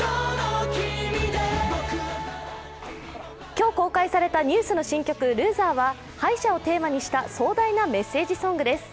今日公開されたＮＥＷＳの新曲「ＬＯＳＥＲ」は敗者をテーマにした壮大なメッセージソングです。